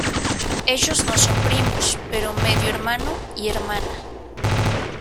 Ellos no son primos, pero medio hermano y hermana.